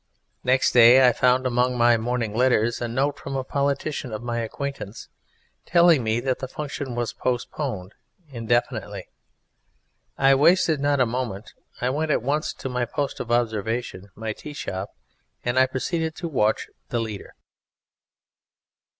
Next day I found among my morning letters a note from a politician of my acquaintance, telling me that the Function was postponed indefinitely. I wasted not a moment. I went at once to my post of observation, my tea shop, and I proceeded to watch the Leader.